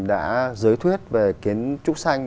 đã giới thuyết về kiến trúc xanh